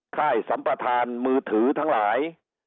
ค่ายสัมประธานมือถือทั้งหลาย